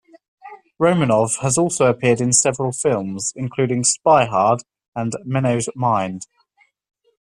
Romanov has also appeared in several films, including "Spy Hard" and "Menno's Mind".